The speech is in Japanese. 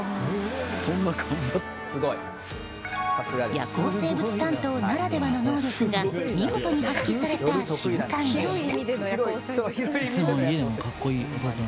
夜行生物担当ならではの能力が見事に発揮された瞬間でした。